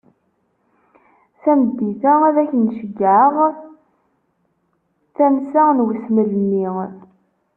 Tameddit-a, ad ak-n-ceggεeɣ tansa n usmel-nni.